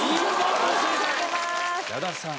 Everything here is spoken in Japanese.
矢田さん